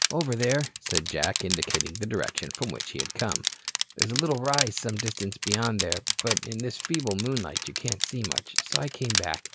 "Over there," said Jack, indicating the direction from which he had come. "There's a little rise some distance beyond there, but in this feeble moon light you can't see much, so I came back.